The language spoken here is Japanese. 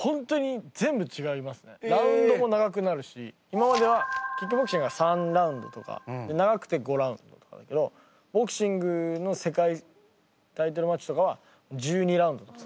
今まではキックボクシングは３ラウンドとか長くて５ラウンドとかだけどボクシングの世界タイトルマッチとかは１２ラウンドとか。